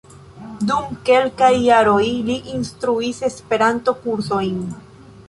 Dum kelkaj jaroj li instruis Esperanto-kursojn.